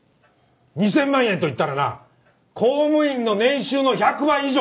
２０００万円といったらな公務員の年収の１００倍以上。